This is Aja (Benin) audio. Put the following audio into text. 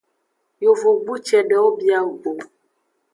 Yovogbu cedewo bia go.